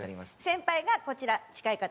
先輩がこちら近い方の方。